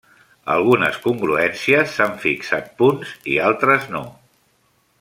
Algunes congruències s'han fixat punts i altres no.